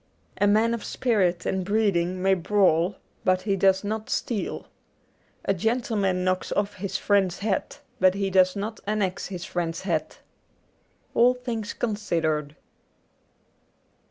A man of spirit and breeding may brawl, but he does not steal. A gentleman knocks off his friend's hat, but he does not annex his friend's hat. ' All Things Considered.''